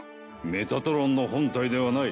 メタトロンの本体ではない